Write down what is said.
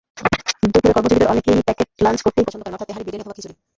দুপুরে কর্মজীবীদের অনেকেই packet lunch করতেই পছন্দ করেন, অর্থাৎ তেহারি, বিরিয়ানি অথবা খিচুড়ি।